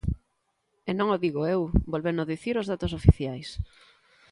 E non o digo eu, vólveno dicir os datos oficiais.